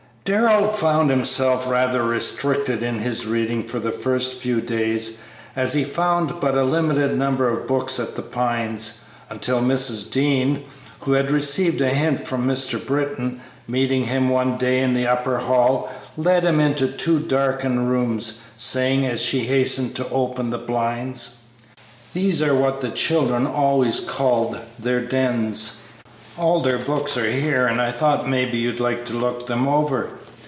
Darrell found himself rather restricted in his reading for the first few days, as he found but a limited number of books at The Pines, until Mrs. Dean, who had received a hint from Mr. Britton, meeting him one day in the upper hall, led him into two darkened rooms, saying, as she hastened to open the blinds, "These are what the children always called their 'dens.' All their books are here, and I thought maybe you'd like to look them over.